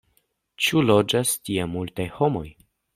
Ĉu loĝas tie multaj homoj?